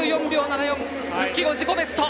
復帰後自己ベスト！